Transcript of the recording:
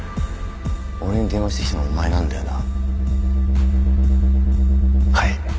俺に電話してきたのはお前なんだよな？